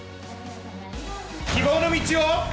希望の道を。